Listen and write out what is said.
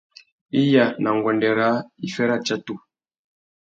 Iya na nguêndê râā, iffê râtsatu.